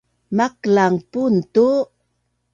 Maklangan pun tu